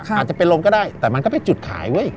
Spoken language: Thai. อาจจะเป็นลมก็ได้แต่มันก็เป็นจุดขายเว้ย